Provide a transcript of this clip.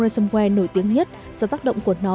resumway nổi tiếng nhất do tác động của nó